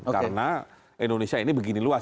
karena indonesia ini begini luas